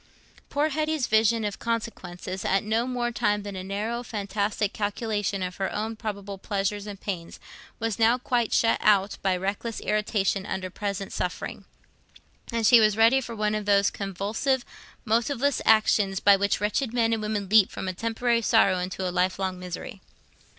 Poor Hetty's vision of consequences, at no time more than a narrow fantastic calculation of her own probable pleasures and pains, was now quite shut out by reckless irritation under present suffering, and she was ready for one of those convulsive, motiveless actions by which wretched men and women leap from a temporary sorrow into a lifelong misery.